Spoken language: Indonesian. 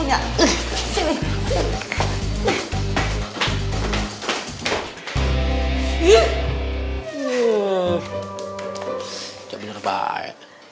gak bener bener baik